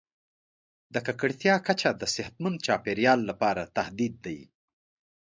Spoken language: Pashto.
د ککړتیا کچه د صحتمند چاپیریال لپاره تهدید دی.